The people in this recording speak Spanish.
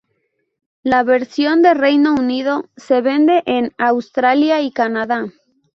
La versión de Reino Unido se vende en Australia y Canadá.